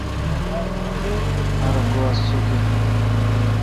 ار گوا سوکیل۔